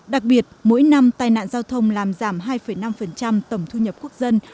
đặc biệt mỗi năm tai nạn giao thông làm giảm hai năm tổng thu nhập quốc dân